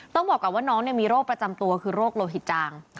ต้องบอกก่อนว่าน้องมีโรคประจำตัวคือโรคโลหิตจาง